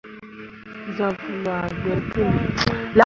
Zah vuu ah gbelle puli.